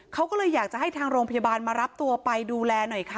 เขาก็เลยอยากจะให้ทางโรงพยาบาลมารับตัวไปดูแลหน่อยค่ะ